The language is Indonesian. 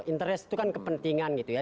interest itu kan kepentingan gitu ya